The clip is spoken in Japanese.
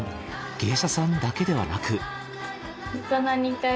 芸者さんだけではなく。